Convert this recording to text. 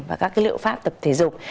và các liệu pháp tập thể dục